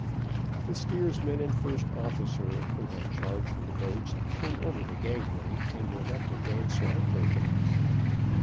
The steersman and first officer, who had charge of the boats, came over the gangway and went up to Vanslyperken.